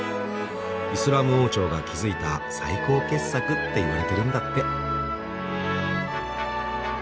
イスラム王朝が築いた最高傑作っていわれてるんだって。